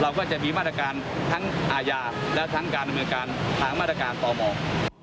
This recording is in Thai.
เราก็จะมีมาตรการทั้งอาญาและทั้งการอำนวยการหากมาตรการตอบออก